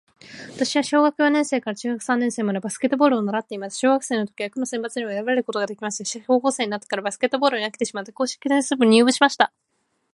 私は小学四年生から中学三年生までバスケットボールを習っていました。小学生の時は区の選抜にも選ばれることができました。しかし、高校生になってからバスケットボールに飽きてしまって硬式テニス部に入部しました。